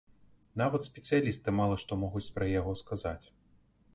Нават спецыялісты мала што могуць пра яго сказаць.